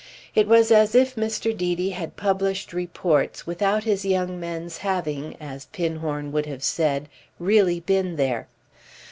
It was as if Mr. Deedy had published reports without his young men's having, as Pinhorn would have said, really been there.